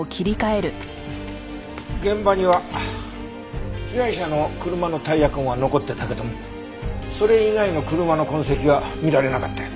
現場には被害者の車のタイヤ痕は残ってたけどもそれ以外の車の痕跡は見られなかったよ。